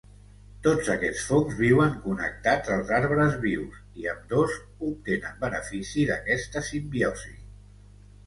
Tots aquests fongs viuen connectats als arbres vius, i ambdós obtenen benefici d'aquesta simbiosi.